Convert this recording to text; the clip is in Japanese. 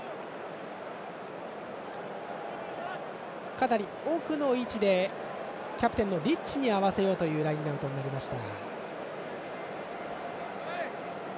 かなり奥の位置でキャプテンのリッチに合わせようというラインアウトになりました。